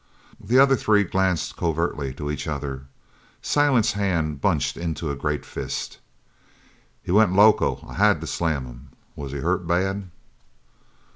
The other three glanced covertly to each other. Silent's hand bunched into a great fist. "He went loco. I had to slam him. Was he hurt bad?"